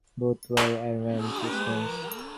Both were Arian Christians.